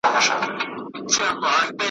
د همدغی ترخې ,